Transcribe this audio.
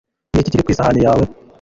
Niki kiri ku isahani yawe